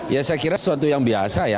ya saya kira sesuatu yang biasa ya